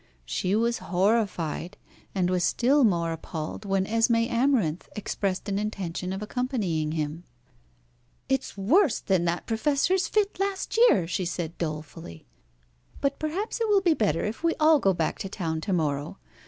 She was horrified, and was still more appalled when Esmé Amarinth expressed an intention of accompanying him. "It's worse than the Professor's fit last year," she said dolefully. "But perhaps it will be better if we all go back to town to morrow.